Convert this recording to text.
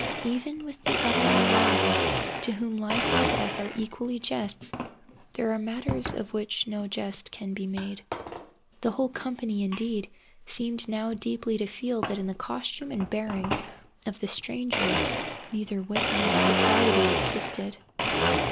Even with the utterly lost, to whom life and death are equally jests, there are matters of which no jest can be made. The whole company, indeed, seemed now deeply to feel that in the costume and bearing of the stranger neither wit nor propriety existed.